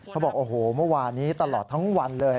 เขาบอกโอ้โหเมื่อวานนี้ตลอดทั้งวันเลย